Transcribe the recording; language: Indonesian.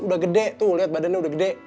udah gede tuh lihat badannya udah gede